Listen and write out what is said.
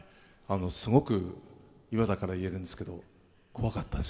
すごく今だから言えるんですけど怖かったです。